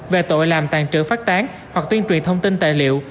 về tội làm tàn trữ phát tán hoặc tuyên truyền thông tin tài liệu